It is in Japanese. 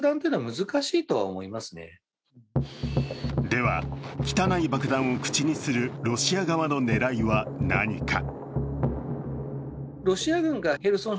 では、汚い爆弾を口にするロシア側の狙いは何か？